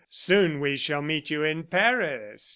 Soon we shall meet you in Paris!"